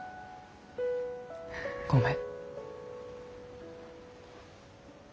ごめん。